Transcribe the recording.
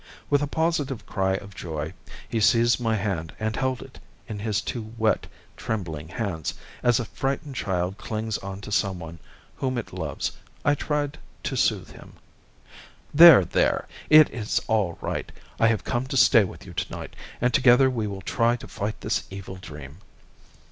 With a positive cry of joy, he seized my hand and held it in his two wet, trembling hands, as a frightened child clings on to someone whom it loves. I tried to soothe him: "There, there! it is all right. I have come to stay with you tonight, and together we will try to fight this evil dream."